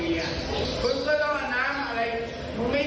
กิ้นลานลูกเอกไม่ได้มากินกุ่นกุ่นอีก